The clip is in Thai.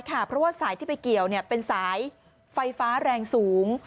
เพราะว่าสายที่ไปเกี่ยวเป็นสายไฟฟ้าแรงสูง